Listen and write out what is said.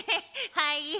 はい。